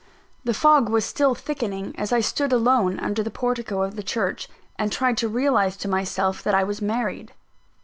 The fog was still thickening, as I stood alone under the portico of the church, and tried to realise to myself that I was married.